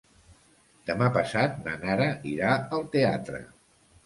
Demà passat na Nara irà al teatre.